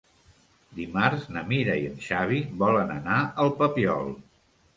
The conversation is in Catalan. Dimarts na Mira i en Xavi volen anar al Papiol.